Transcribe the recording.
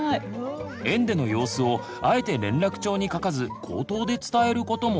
園での様子をあえて連絡帳に書かず口頭で伝えることも。